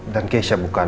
dan keisha bukan